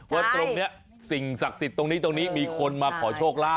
ว่าตรงนี้สิ่งศักดิ์สิทธิ์ตรงนี้ตรงนี้มีคนมาขอโชคลาภ